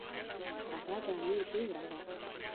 هغه د امیر بیړه وه.